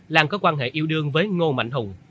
lan có quan hệ yêu đương với ngô mạnh hùng